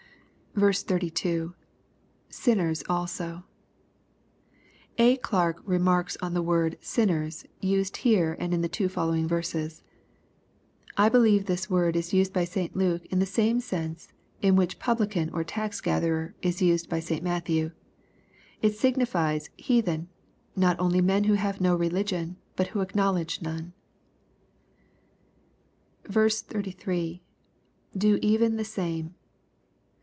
B2. — [Sin7ier8 also,] A. Clarke remarks on the word "sinners," used here and in the two following verses :" I believe this word is used by St Luke in the' same sense in which ^ publican, or tax gatherer,' is used by St Matthew. It signifies 'heatheb,* — ^not only men who have no religion, but who acknowledge none." 33. — [Bo even the same.